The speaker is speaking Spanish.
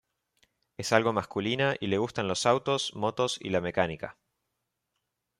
Es algo masculina y le gustan los autos, motos y la mecánica.